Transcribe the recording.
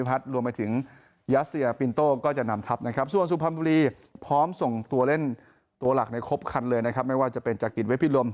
เป็นตัวหลักในครบคันเลยนะครับไม่ว่าจะเป็นจากกินเวฟฟิลลม